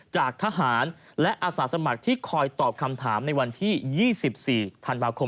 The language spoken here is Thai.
จากทหารและอาสาสมัครที่คอยตอบคำถามในวันที่๒๔ธันวาคม